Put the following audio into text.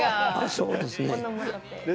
そうですね。